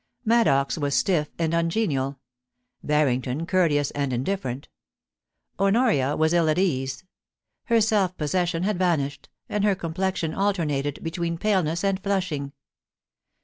Maddox was stiff and ungenial. Barrington courteous and indifferent Honoria was ill at ease ; her self possession had vanished, and her complexion alternated between paleness and flushing.